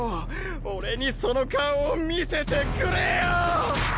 俺にその顔を見せてくれよ！